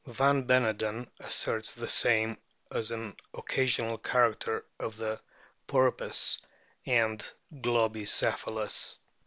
Van Beneden asserts the same as an occasional character of the Porpoise and Globicephalus.